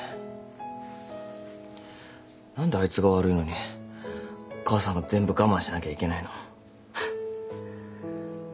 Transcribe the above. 何であいつが悪いのに母さんが全部我慢しなきゃいけないの。